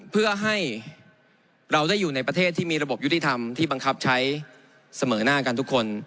เพื่อให้เราได้อยู่ในประเทศที่มีระบบยุติธรรมที่บังคับใช้เสมอหน้ากันทุกคน